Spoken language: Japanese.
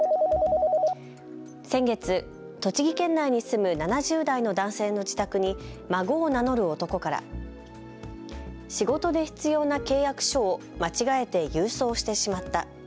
先月、栃木県内に住む７０代の男性の自宅に孫を名乗る男から仕事で必要な契約書を間違えて郵送してしまった。